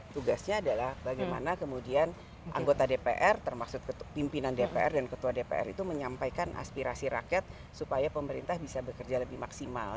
tugasnya adalah bagaimana kemudian anggota dpr termasuk pimpinan dpr dan ketua dpr itu menyampaikan aspirasi rakyat supaya pemerintah bisa bekerja lebih maksimal